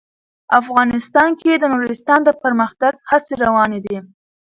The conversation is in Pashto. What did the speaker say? افغانستان کې د نورستان د پرمختګ هڅې روانې دي.